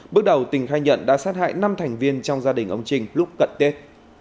bước đầu tình khai nhận đã sát hại năm thành viên trong gia đình ông trinh lúc cận tết